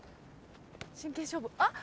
真剣勝負あっ！